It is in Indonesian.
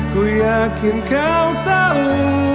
ku yakin kau tahu